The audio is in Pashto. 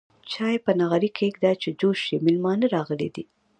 چاي په نغرې کيده چې جوش شي ميلمانه راغلي دي.